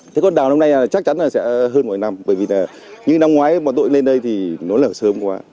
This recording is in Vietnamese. thế còn đào năm nay chắc chắn là sẽ hơn mỗi năm bởi vì như năm ngoái bọn tôi lên đây thì nó lở sớm quá